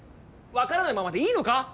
わからないままでいいのか？